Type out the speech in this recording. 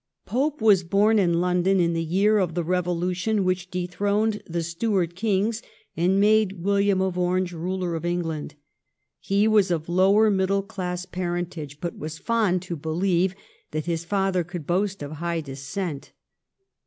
Pope was born in London in the year of the Eevolution which dethroned the Stuart Kings and made William of Orange ruler of England. He was of lower middle class parentage, but was fond to believe that his father could boast of high descent.